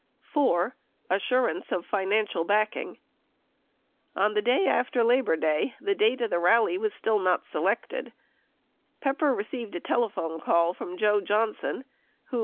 40 4. ASSURANCE OF FINANCIAL BACKING On the day after Labor Day, the date of the rally still not selected, Pepper received a telephone call from Joe Johnson who